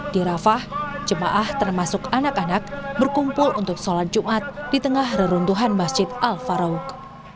di rafah jemaah termasuk anak anak berkumpul untuk sholat jumat di tengah reruntuhan masjid al farauk